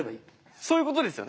そういうことですよね？